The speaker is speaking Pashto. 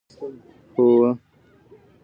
هوه